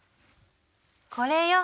これよ。